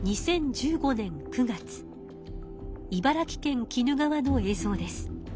茨城県鬼怒川のえい像です。